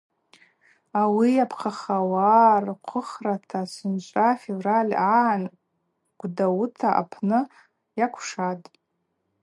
Ауи йапхъахауата рхъвыхрата сынчӏва февраль агӏан Гвдауыта апны йакӏвшатӏ.